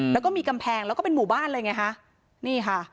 แล้วก็มีกำแพงแล้วก็เป็นหมู่บ้านเลยไงฮะนี่ค่ะ